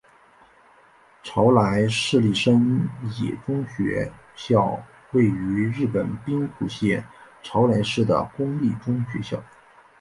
朝来市立生野中学校位于日本兵库县朝来市的公立中学校。